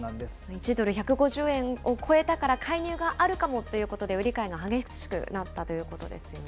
１ドル１５０円を超えたから介入があるかもということで、売り買いが激しくなったということですよね。